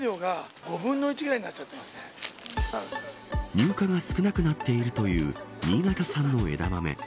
入荷が少なくなっているという新潟産の枝豆。